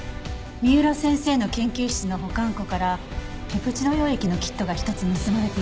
三浦先生の研究室の保管庫からペプチド溶液のキットが１つ盗まれていました。